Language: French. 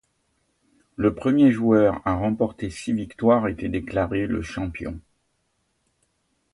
Le premier joueur à remporter six victoires était déclaré le champion.